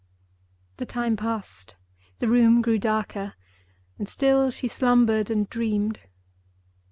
The time passed, the room grew darker; and still she slumbered and dreamed.